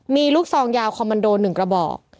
มีลูกซองยาวคอมมันโด๑กระบอก